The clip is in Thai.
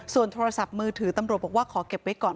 ส่วนโทรศัพท์มือถือตำรวจบอกว่าขอเก็บไว้ก่อน